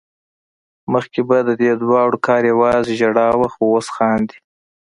مخکې به ددې دواړو کار يوازې ژړا وه خو اوس خاندي